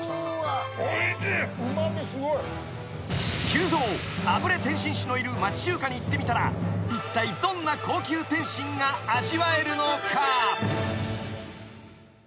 ［急増あぶれ点心師のいる町中華に行ってみたらいったいどんな高級点心が味わえるのか？］